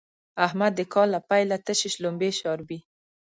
احمد د کال له پيله تشې شلومبې شاربي.